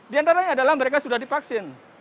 di antaranya adalah mereka sudah divaksin